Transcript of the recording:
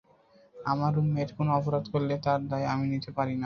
আমার রুমমেট কোনো অপরাধ করলে তার দায় আমি নিতে পারি না।